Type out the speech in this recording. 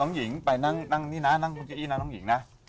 น้องหญิงไปนั่งนี่นะน้องหญิงนะ